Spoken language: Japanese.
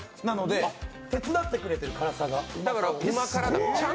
手伝ってくれてる、辛さが。